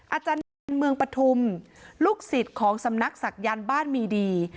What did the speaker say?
อาจารย์เจนเมืองปฐุมลูกศิษย์ของสำนักศักยันต์บ้านมีดี